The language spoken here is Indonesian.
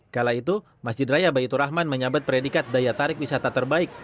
kala itu masjid raya baitur rahman menyabet predikat daya tarik wisata terbaik